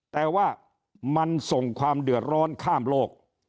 แต่ว่ามันส่งความเดือดร้อนข้ามโลก